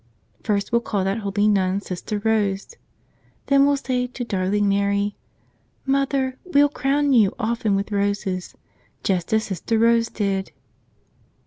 First we'll call that holy nun Sister Rose. Then we'll say to darling Mary, "Mother, we'll crown you often with roses, just as Sister Rose did."